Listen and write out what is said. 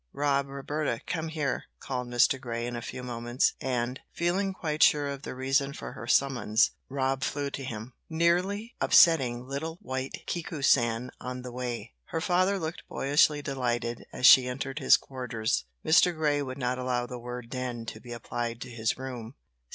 "Rob, Roberta, come here," called Mr. Grey, in a few moments, and, feeling quite sure of the reason for her summons, Rob flew to him, nearly upsetting little white Kiku san on the way. Her father looked boyishly delighted as she entered his quarters Mr. Grey would not allow the word "den" to be applied to his room.